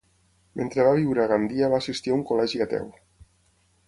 Mentre va viure a Gandia va assistir a un col·legi ateu.